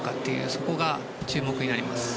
そこが注目になりますね。